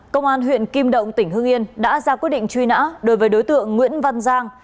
công an huyện kim động tỉnh hưng yên đã ra quyết định truy nã đối với đối tượng nguyễn văn giang